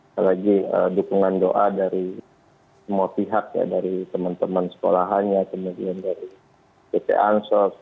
apalagi dukungan doa dari semua pihak ya dari teman teman sekolahannya kemudian dari pt ansos